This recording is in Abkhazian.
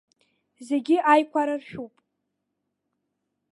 Зегьы аиқәара ршәуп!